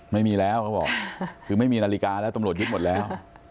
ไม่มีแล้วเขาบอกคือไม่มีนาฬิกาแล้วตำรวจยึดหมดแล้ว